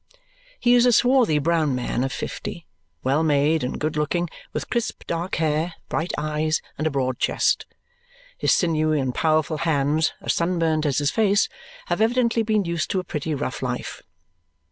He is a swarthy brown man of fifty, well made, and good looking, with crisp dark hair, bright eyes, and a broad chest. His sinewy and powerful hands, as sunburnt as his face, have evidently been used to a pretty rough life.